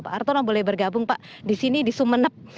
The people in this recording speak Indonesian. pak hartono boleh bergabung pak disini di sumeneb